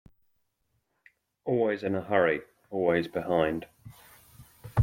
Always in a hurry, always behind.